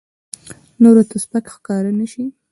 نورو ته سپک ښکاره نه شي.